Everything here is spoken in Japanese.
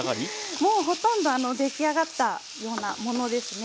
もうほとんど出来上がったようなものですね。